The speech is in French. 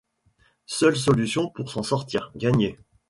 Seule solution pour s'en sortir : gagner.